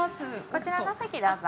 こちらのお席どうぞ。